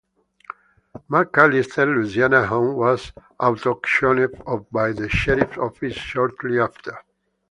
McAllister's Louisiana home was auctioned off by the Sheriff's office shortly after.